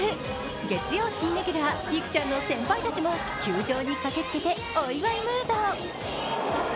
月曜新レギュラー美空ちゃんの先輩たちも球場に駆けつけてお祝いムード。